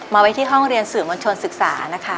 ไว้ที่ห้องเรียนสื่อมวลชนศึกษานะคะ